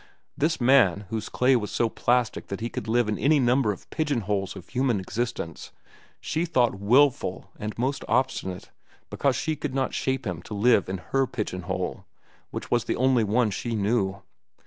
This man, whose clay was so plastic that he could live in any number of pigeonholes of human existence, she thought wilful and most obstinate because she could not shape him to live in her pigeonhole, which was the only one she knew.